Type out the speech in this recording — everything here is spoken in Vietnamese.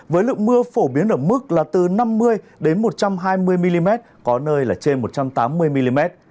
với lượng mưa phổ biến ở mức là từ năm mươi đến một trăm hai mươi mm có nơi là trên một trăm tám mươi mm